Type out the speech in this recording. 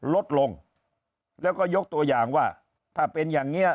ลดลงแล้วก็ยกตัวอย่างว่าถ้าเป็นอย่างนี้